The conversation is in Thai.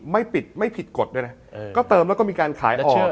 ไม่ผิดกฎด้วยนะ